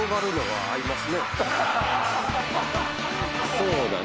そうだね。